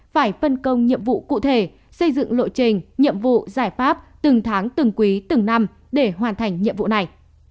phải phân công nhiệm vụ cụ thể xây dựng lộ trình nhiệm vụ giải pháp từng tháng từng quý từng năm để hoàn thành nhiệm vụ này